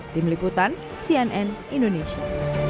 tim liputan cnn indonesia